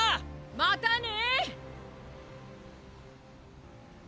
またね！！